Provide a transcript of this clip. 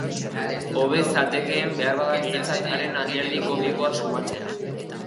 Hobe zatekeen beharbada niretzat haren alderdi komikoa sumatzea.